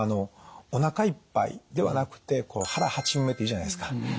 おなかいっぱいではなくて腹八分目って言うじゃないですか。